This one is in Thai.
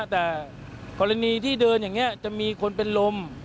แต่กรณีที่เดินอย่างนี้จะมีคนเป็นลม